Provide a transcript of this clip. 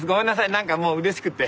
何かもううれしくて。